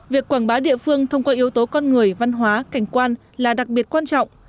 việc quảng bá địa phương thông qua yếu tố con người văn hóa cảnh quan là đặc biệt quan trọng